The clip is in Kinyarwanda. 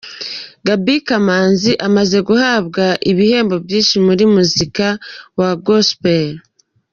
Gaby Kamanzi amaze guhabwa ibihembo byinshi mu muziki wa Gospel.